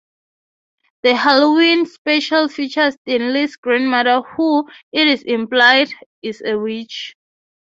The Halloween special features Stanley's grandmother who, it is implied, is a witch.